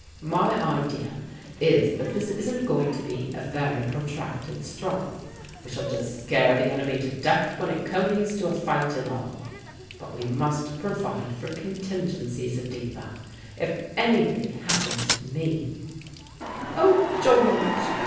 My idea is that this isn't going to be a very protracted struggle; we shall just scare the enemy to death before it conies to a fight at all. But we must provide for contingencies, Editha. If anything happens to me " "Oh, George!"